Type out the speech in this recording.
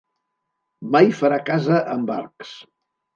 Mai farà casa amb arcs.